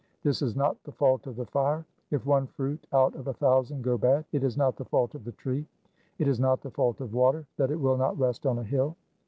This is not the fault of the fire. If one fruit out of a thousand go bad, it is not the fault of the tree. It is not the fault of water that it will not rest on a hill.